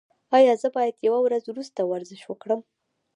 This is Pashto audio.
ایا زه باید یوه ورځ وروسته ورزش وکړم؟